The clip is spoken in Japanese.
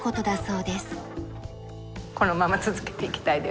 このまま続けていきたいです。